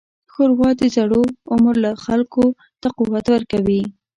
ښوروا د زوړ عمر خلکو ته قوت ورکوي.